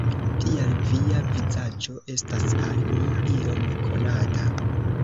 Tial via vizaĝo estas al mi iom konata.